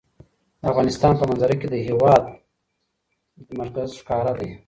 د افغانستان په منظره کې د هېواد مرکز ښکاره ده.